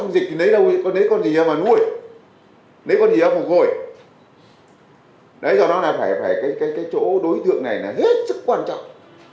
do đó cái chỗ đối tượng này là hết sức quan trọng